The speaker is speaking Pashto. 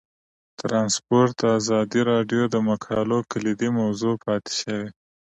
ترانسپورټ د ازادي راډیو د مقالو کلیدي موضوع پاتې شوی.